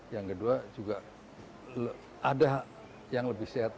yang kedua juga ada yang lebih sehat